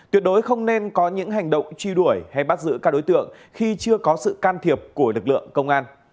tuyệt đối không nên có những hành động truy đuổi hay bắt giữ các đối tượng khi chưa có sự can thiệp của lực lượng công an